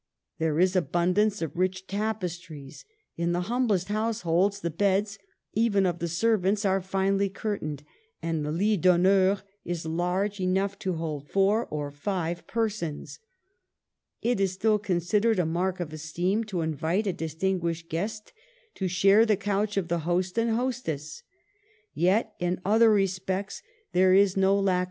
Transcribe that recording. There is abundance of rich tapestries; in the humblest households the beds, even of the servants, are finely curtained, and the lit d'honneur is large enough to hold four or five persons. It is still considered a mark of esteem to invite a distin guished guest to share the couch of the host and hostess. Yet in other respects there is no lack 244 MARGARET OF ANGOULEME.